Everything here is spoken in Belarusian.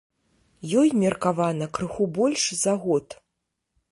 Ёй меркавана крыху больш за год.